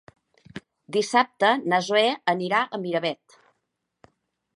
Dissabte na Zoè anirà a Miravet.